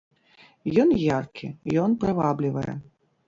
Ён яркі, ён прываблівае.